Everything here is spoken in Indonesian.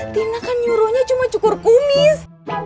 tina kan nyuruhnya cuma cukur kumis